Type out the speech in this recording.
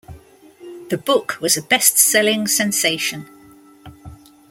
The book was a bestselling sensation.